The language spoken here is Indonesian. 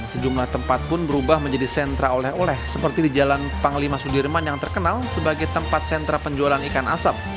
sejumlah tempat pun berubah menjadi sentra oleh oleh seperti di jalan panglima sudirman yang terkenal sebagai tempat sentra penjualan ikan asap